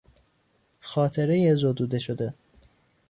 خاطرهی زدوده شده